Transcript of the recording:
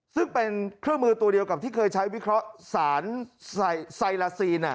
ซึ่งเป็นเครื่องมือตัวเดียวกับที่เคยใช้วิเคราะห์สารไซลาซีน